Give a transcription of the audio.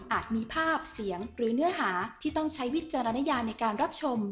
มีภาพเสียงหรือเนื้อหาที่ต้องใช้วิจารณญาในการรับชม